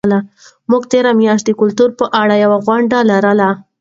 موږ تېره میاشت د کلتور په اړه یوه غونډه لرله.